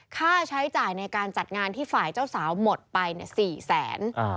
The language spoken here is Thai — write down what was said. ข้าใช้จ่ายในการจัดงานที่ฝ่ายเจ้าสาวหมดไป๔๐๐๐๐๐๐บาท